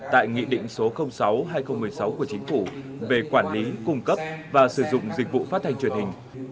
tại nghị định số sáu hai nghìn một mươi sáu của chính phủ về quản lý cung cấp và sử dụng dịch vụ phát thanh truyền hình